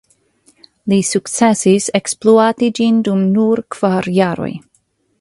Li sukcesis ekspluati ĝin dum nur kvar jaroj.